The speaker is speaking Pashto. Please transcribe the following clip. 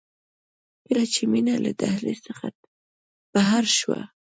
کله چې مينه له دهلېز څخه بهر شوه.